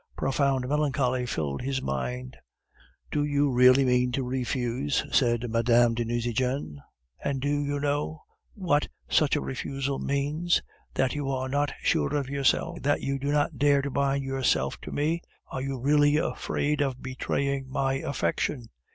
Profound melancholy filled his mind. "Do you really mean to refuse?" said Mme. de Nucingen. "And do you know what such a refusal means? That you are not sure of yourself, that you do not dare to bind yourself to me. Are you really afraid of betraying my affection?